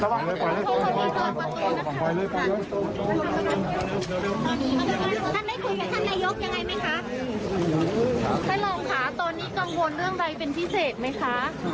ตัวค่ะตอนนี้กังวลเรื่องอะไรเป็นทิเศษไหมคะ